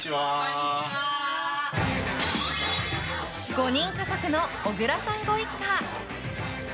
５人家族の小倉さんご一家。